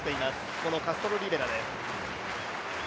このカストロリベラです。